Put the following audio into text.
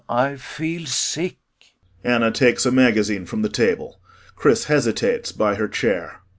Ay feel sick. [ANNA takes a magazine from the table. CHRIS hesitates by her chair.